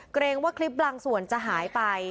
เกรงว่าคลิปบางส่วนจะหายไป